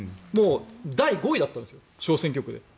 第５位だったんです小選挙区で。